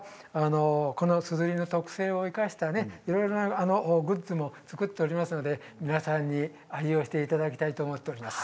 すずりの特性を生かしたオリジナルのものも作っておりますので皆さんに愛用していただきたいと思っています。